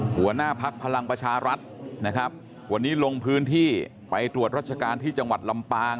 หัวหน้าภักดิ์พลังประชารัฐนะครับวันนี้ลงพื้นที่ไปตรวจรัชการที่จังหวัดลำปาง